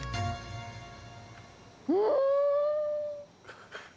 うん！